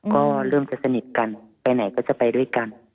ก็เริ่มจะสนิทกันไปไหนก็จะไปด้วยกัน